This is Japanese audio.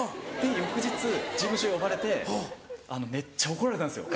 翌日事務所呼ばれてめっちゃ怒られたんですよ。